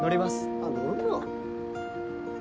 あっ乗るの。